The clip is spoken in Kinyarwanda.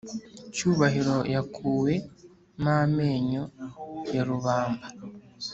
cyubahiro yakuwe mamenyo yarubamba